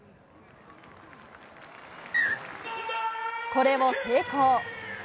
これを成功。